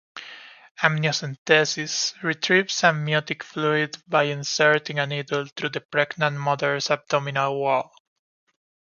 Amniocentesis retrieves amniotic fluid by inserting a needle through the pregnant mother's abdominal wall.